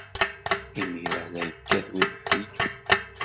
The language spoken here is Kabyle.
Imir-a, la yekkat udfel.